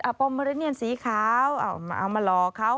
ปอมเมอริเนียนสีขาวเอามาหลอกเขา